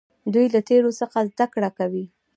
دوی له تیرو څخه زده کړه کوي.